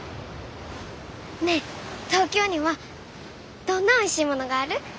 ねえ東京にはどんなおいしいものがある？